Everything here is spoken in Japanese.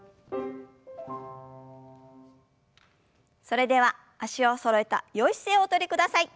それでは脚をそろえたよい姿勢をおとりください。